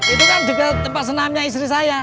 itu kan dekat tempat senamnya istri saya